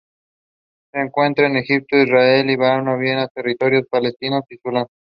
Se encuentra en Egipto, Israel, Líbano, Arabia Saudita, Territorios Palestinos y Sudán.